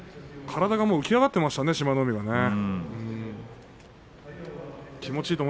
体が浮き上がっていましたね、